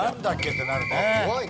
ってなるね。